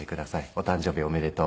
お誕生日おめでとう。